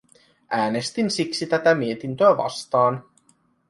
Äänestin siksi tätä mietintöä vastaan.